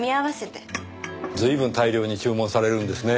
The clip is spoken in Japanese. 随分大量に注文されるんですねぇ。